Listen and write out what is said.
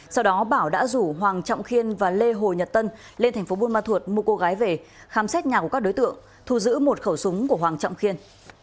sau đó bảo đã rủ hoàng trọng khiên và lê hồ nhật tân lên tp bunma thuột mua cô gái về khám xét nhà của các đối tượng thu giữ một khẩu súng của hoàng trọng khiên